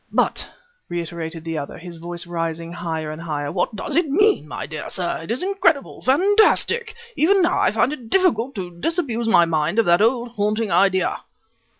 "But," reiterated the other, his voice rising higher and higher, "what does it mean, my dear sir? It is incredible fantastic! Even now I find it difficult to disabuse my mind of that old, haunting idea."